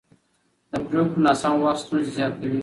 د پرېکړو ناسم وخت ستونزې زیاتوي